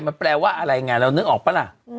มันแปลว่าอะไรไงเรานึกออกปะล่ะ